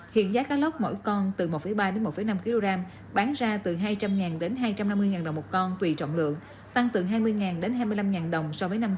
hiện giá cá lóc mỗi con từ một ba một năm kg bán ra từ hai trăm linh đồng